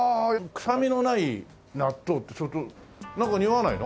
臭みのない納豆ってなんかにおわないの？